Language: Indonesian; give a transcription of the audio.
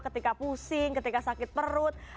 ketika pusing ketika sakit perut